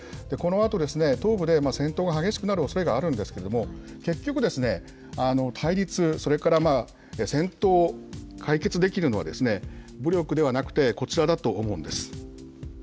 このあと東部で戦闘が激しくなるおそれがあるんですけれども、結局、対立、それから戦闘解決できるのは、武力ではなくて、こちらだと思うんです。